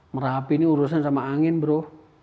merapi ini urusan sama angin bro